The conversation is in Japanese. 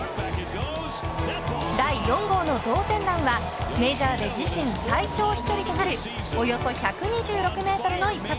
第４号の同点弾はメジャーで自身最長飛距離となるおよそ１２６メートルの一発。